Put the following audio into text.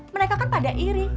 mereka kan pada iri